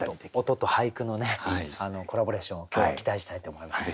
音と俳句のねコラボレーションを今日は期待したいと思います。